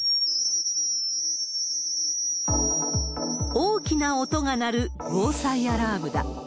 大きな音が鳴る防災アラームだ。